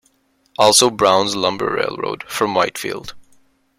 Also Brown's lumber railroad, from Whitefield.